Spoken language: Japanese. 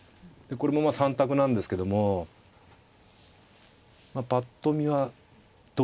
これもまあ３択なんですけどもぱっと見は同銀直。